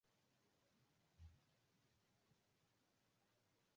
mfano bunge Kwa Kenya kulikuwa na ukabila